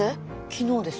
昨日です。